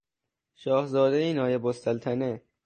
شاهزاده نایبالسلطنه